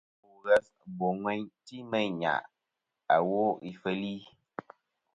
Ba ghes ba wêyn ti meyn nyàʼ awo ifeli.